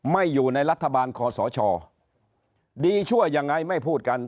อยู่ในรัฐบาลคอสชดีชั่วยังไงไม่พูดกัน